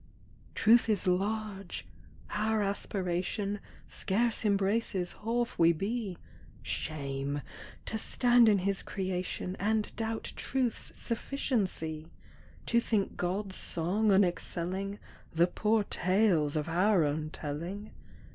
Truth is large. Our aspiration Scarce embraces half we be. Shame ! to stand in His creation And doubt Truth's sufficiency! To think God's song unexcelling The poor tales of our own telling.